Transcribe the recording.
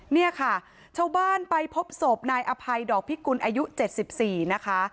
เนี่ยค่ะชาวบ้านไปพบศพนายอภัยดอกพิกุลอายุ๗๔นะคะ